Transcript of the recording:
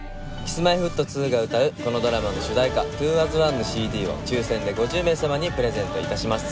Ｋｉｓ−Ｍｙ−Ｆｔ２が歌うこのドラマの主題歌『ＴｗｏａｓＯｎｅ』のＣＤを抽選で５０名様にプレゼント致します。